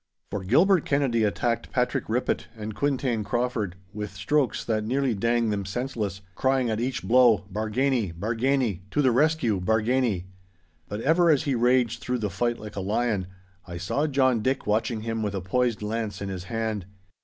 For Gilbert Kennedy attacked Patrick Rippitt and Quintain Crawford with strokes that nearly dang them senseless, crying at each blow, 'Bargany! Bargany! To the rescue, Bargany!' But ever as he raged through the fight like a lion, I saw John Dick watching him with a poised lance in his hand.